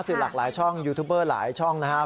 สื่อหลักหลายช่องยูทูปเบอร์หลายช่องนะฮะ